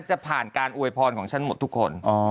จะผ่านการอวยพรของฉันหมดทุกคน